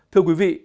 thưa quý vị